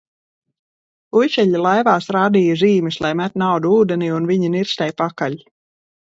Puišeļi laivās rādīja zīmes, lai met naudu ūdenī un viņi nirs tai pakaļ.